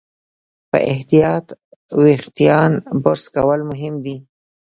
په احتیاط وېښتيان برس کول مهم دي.